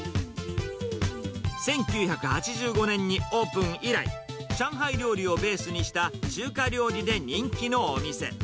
１９８５年にオープン以来、上海料理をベースにした中華料理で人気のお店。